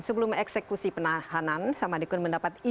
sebelum eksekusi penahanan samadikun mendapat izin